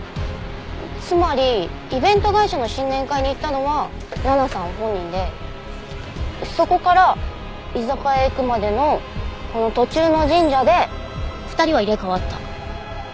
つまりイベント会社の新年会に行ったのは奈々さん本人でそこから居酒屋へ行くまでのこの途中の神社で２人は入れ替わった。